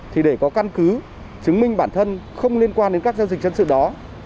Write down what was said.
thì để có căn cứ chứng minh bản thân không liên quan đến các giao dịch dân sự đó